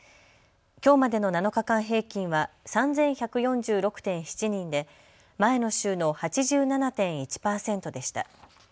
きょうまでの７日間平均は３１４６．７人で前の週の８７．１％でした。